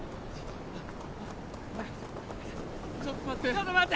ちょっと待って！